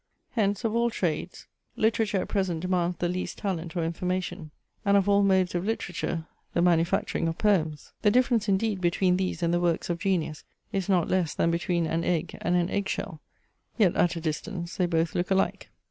Hence of all trades, literature at present demands the least talent or information; and, of all modes of literature, the manufacturing of poems. The difference indeed between these and the works of genius is not less than between an egg and an egg shell; yet at a distance they both look alike.